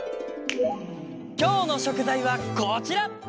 きょうのしょくざいはこちら！